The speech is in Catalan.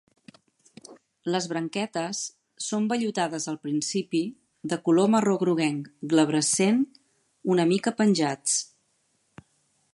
Les branquetes són vellutades al principi, de color marró groguenc glabrescent, una mica penjants.